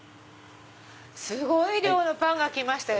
すごい量のパンが来ましたよ！